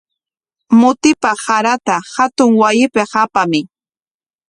Mutipaq sarata hatun wasipik apamuy.